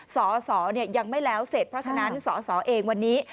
สอสอยังไม่แล้วเสร็จเพราะฉะนั้นสสเองวันนี้